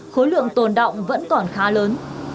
khối lượng tồn đọng vẫn còn khá lớn